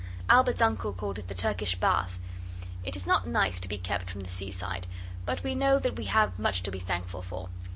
Albert's uncle called it the Turkish Bath. It is not nice to be kept from the seaside, but we know that we have much to be thankful for.